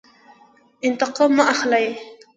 انتقام مه اخلئ